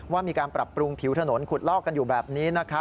ว่ามีการปรับปรุงผิวถนนขุดลอกกันอยู่แบบนี้